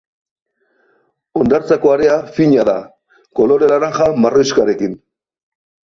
Hondartzako area fina da, kolore laranja-marroixkarekin.